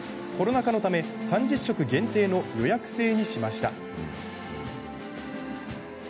コロナ禍のため３０食限定の予約制にしました。